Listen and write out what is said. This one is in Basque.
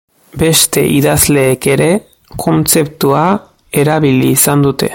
Beste idazleek ere kontzeptua erabili izan dute.